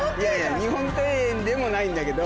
日本庭園でもないんだけど。